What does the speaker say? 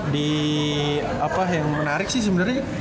di apa yang menarik sih sebenarnya